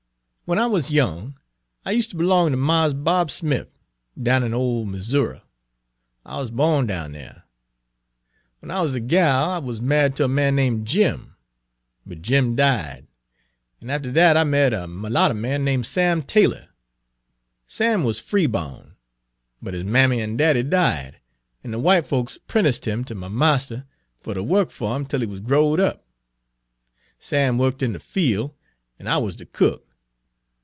W'en I wuz young I us'ter b'long ter Marse Bob Smif, down in ole Missoura. I wuz bawn down dere. W'en I wuz a gal I wuz married ter a man named Jim. But Jim died, an' after dat I married a merlatter man named Sam Taylor. Sam wuz freebawn, but his mammy and daddy died, an' de w'ite folks 'prenticed him ter my marster fer ter work fer 'im 'tel he wuz growed up. Sam worked in de fiel', an' I wuz de cook.